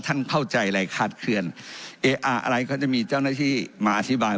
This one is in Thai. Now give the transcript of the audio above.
ท่านเผ่าใจอะไรคราดเคือนอะไรก็จะมีเจ้าหน้าที่มาอธิบาย